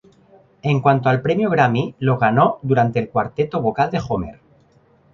En cuanto al Premio Grammy, lo ganó durante "El cuarteto vocal de Homer".